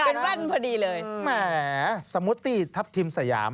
เป็นแว่นพอดีเลยแหมสมูตตี้ทัพทิมสยาม